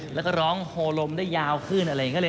แล้วก็ร้องโฮลมได้ยาวขึ้นอะไรอย่างนี้